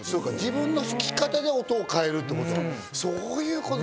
自分の吹き方で音を変える、そういうこと。